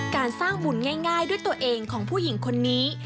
การสร้างบุญง่ายด้วยตัวเองของผู้หญิงคนนี้